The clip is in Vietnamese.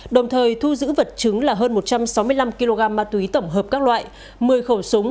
đồng thời thu giữ vật chứng là hơn một trăm sáu mươi năm kg ma túy tổng hợp các loại một mươi khẩu súng